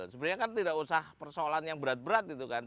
sebenarnya kan tidak usah persoalan yang berat berat itu kan